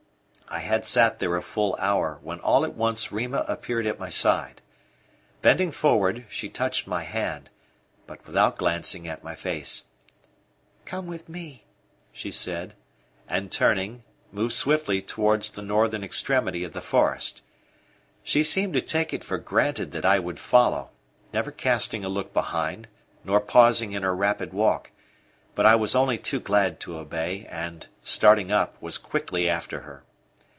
I had sat there a full hour when all at once Rima appeared at my side. Bending forward, she touched my hand, but without glancing at my face; "Come with me," she said, and turning, moved swiftly towards the northern extremity of the forest. She seemed to take it for granted that I would follow, never casting a look behind nor pausing in her rapid walk; but I was only too glad to obey and, starting up, was quickly after her.